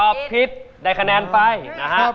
ผิดได้คะแนนไปนะฮะ